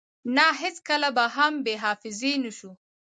نه هیڅکله به هم بی حافظی نشو